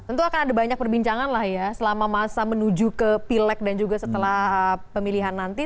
tentu akan ada banyak perbincangan lah ya selama masa menuju ke pileg dan juga setelah pemilihan nanti